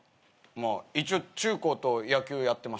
まあ一応中高と野球やってました。